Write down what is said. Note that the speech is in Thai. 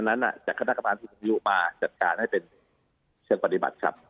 เกณฑ์นั้นอ่ะจากคณะกรรมที่ผมอยู่มาจัดการให้เป็นเชิงปฏิบัติครับ